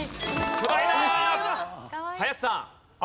林さん。